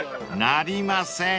［なりません］